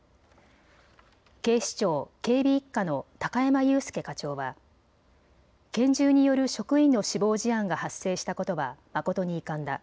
警視庁警備一課の高山祐輔課長は拳銃による職員の死亡事案が発生したことは誠に遺憾だ。